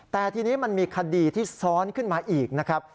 แต่ทีนี้มันมีคดีที่ซ้อนขึ้นมาอีกนะครับ